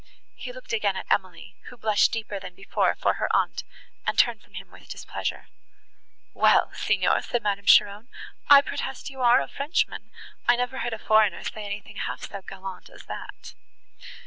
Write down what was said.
He looked again at Emily, who blushed deeper than before for her aunt, and turned from him with displeasure. "Well, signor!" said Madame Cheron, "I protest you are a Frenchman; I never heard a foreigner say anything half so gallant as that!"